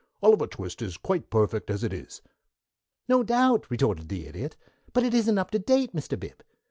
"'Oliver Twist' is quite perfect as it is." "No doubt," retorted the Idiot, "but it isn't up to date, Mr. Bib.